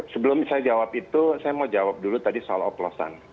sebelum saya jawab itu saya mau jawab dulu tadi soal oplosan